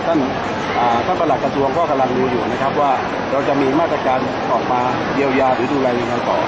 ท่านประหลักกระทรวงก็กำลังดูอยู่นะครับว่าเราจะมีมาตรการออกมาเยียวยาดูแลพี่น้องประชาชนนะครับ